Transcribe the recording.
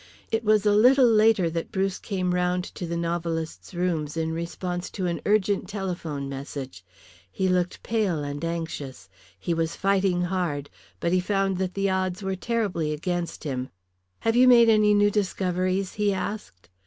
It was a little later that Bruce came round to the novelist's rooms in response to an urgent telephone message. He looked pale and anxious; he was fighting hard, but he found that the odds were terribly against him. "Have you made any new discoveries?" he asked.